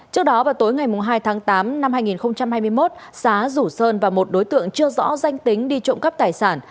trước đó vào tối ngày hai tháng tám năm hai nghìn hai mươi một xá rủ sơn và một đối tượng chưa rõ danh tính đi trộm cắp tài sản